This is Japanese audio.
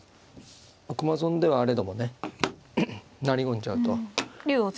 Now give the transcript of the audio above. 駒損ではあれどもね成り込んじゃうと。